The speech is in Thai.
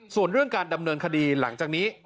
ส่วนเรื่องการดำเนินคดีหลังจากนี้